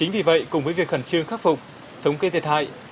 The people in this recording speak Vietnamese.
vì vậy cùng với việc khẩn trương khắc phục thống kê thiệt hại